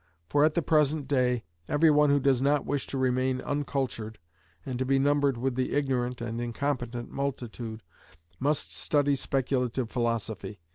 For at the present day every one who does not wish to remain uncultured, and to be numbered with the ignorant and incompetent multitude, must study speculative philosophy.